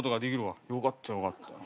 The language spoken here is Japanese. よかったよかった。